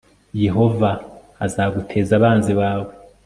yehova azaguteza abanzi bawe